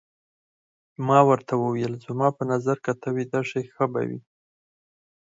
ما ورته وویل: زما په نظر که ته ویده شې ښه به وي.